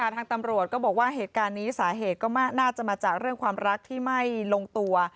ทางตำรวจก็บอกว่าเหตุการณ์นี้สาเหตุก็น่าจะมาจากเรื่องความรักที่ไม่ลงตัว